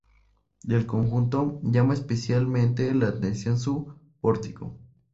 Del conjunto, llama especialmente la atención su pórtico.